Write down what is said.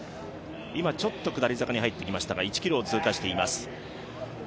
今、ちょっと下り坂に入ってきましたが１ｋｍを通過しています。